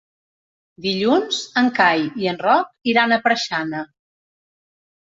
Dilluns en Cai i en Roc iran a Preixana.